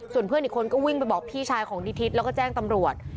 ส่วนเพื่อนอีกคนก็วิ่งไปบอกพี่ชายของนิทิศแล้วก็แจ้งตำรวจ